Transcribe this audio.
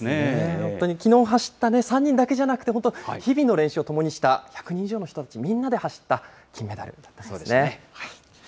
本当にきのう走った３人だけじゃなくて、本当、日々の練習を共にした１００人以上の人たちみんなで走った金メダルだったそうですね。